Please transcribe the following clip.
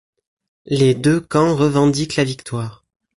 Les deux camps revendiquent la victoire.